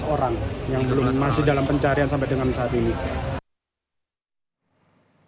orang yang masih dalam pencarian sampai dengan saat ini